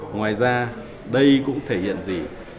ngoài ra đây cũng thể hiện gì